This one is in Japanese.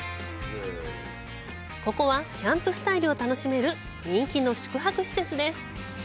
ここは、キャンプスタイルを楽しめる人気の宿泊施設です。